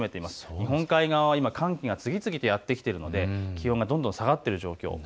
日本海側は寒気が次々やって来ているので気温が下がっている状況。